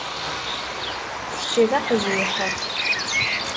Kečč d aqziḥ.